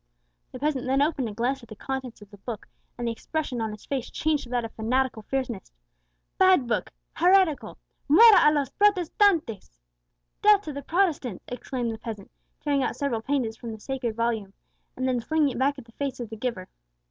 The peasant then opened and glanced at the contents of the book, and the expression on his face changed to that of fanatical fierceness. "Bad book heretical muera a los Protestantes!" (death to the Protestants!) exclaimed the peasant, tearing out several pages from the sacred volume, and then flinging it back at the face of the giver.